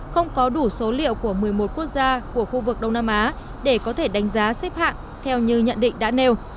không có đủ số liệu của một mươi một quốc gia của khu vực đông nam á để có thể đánh giá xếp hạng theo như nhận định đã nêu